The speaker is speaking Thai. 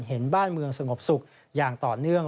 เห็นบ้านเมืองสงบสุขอย่างต่อเนื่อง